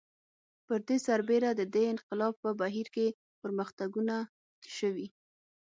پر دې سربېره د دې انقلاب په بهیر کې پرمختګونه شوي